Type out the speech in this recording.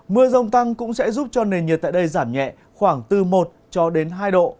mưa rông tăng cũng sẽ giúp cho nền nhiệt tại đây giảm nhẹ khoảng từ một cho đến hai độ